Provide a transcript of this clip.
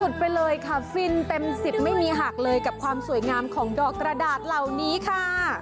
ไปเลยค่ะฟินเต็มสิบไม่มีหักเลยกับความสวยงามของดอกกระดาษเหล่านี้ค่ะ